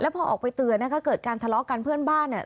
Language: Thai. พอออกไปเตือนนะคะเกิดการทะเลาะกันเพื่อนบ้านเนี่ย